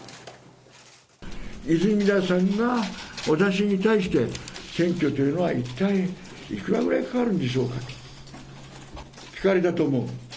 泉田さんが私に対して、選挙というのは一体いくらぐらいかかるんでしょうか？と、聞かれたと思う。